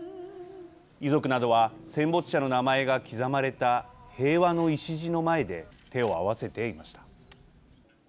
遺族などは戦没者の名前が刻まれた平和の礎の前で手を合わせていました。